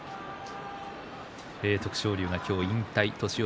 徳勝龍が今日、引退年寄